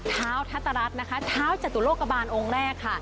เท้าทัตรัสนะคะเท้าจตุโลกบาลองค์แรกค่ะ